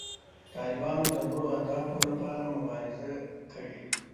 طالبانو د لوړو اهدافو لپاره مبارزه کړې.